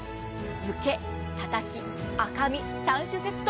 漬け、タタキ、赤身３種セット。